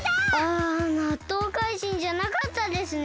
あなっとうかいじんじゃなかったですね。